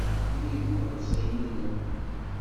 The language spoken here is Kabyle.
Wi d iḍebsiyen-inu.